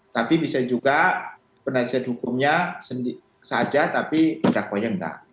tapi bisa juga penasihat hukumnya saja tapi terdakwanya enggak